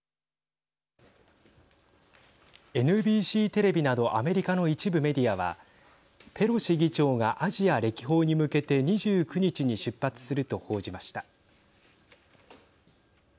ＮＢＣテレビなどアメリカの一部メディアはペロシ議長がアジア歴訪に向けて２９日に出発すると報じました。